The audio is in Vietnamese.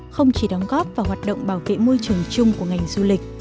không chỉ đóng góp vào hoạt động bảo vệ môi trường chung của ngành du lịch